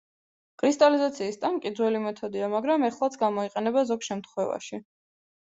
კრისტალიზაციის ტანკი ძველი მეთოდია მაგრამ ეხლაც გამოიყენება ზოგ შემთხვევაში.